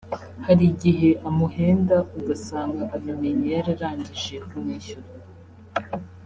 hari igihe amuhenda ugasanga abimenye yararangije kumwishyura